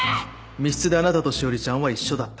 密室であなたと詩織ちゃんは一緒だった。